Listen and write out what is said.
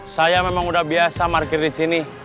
saya memang udah biasa market disini